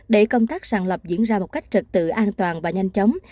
để công tác sàn lập diễn ra một cách trật tự an toàn và nhanh chóng